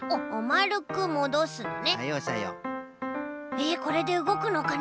えこれでうごくのかな？